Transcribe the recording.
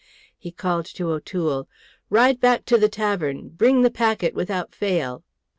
He called to O'Toole, "Ride back to the tavern! Bring the packet without fail!"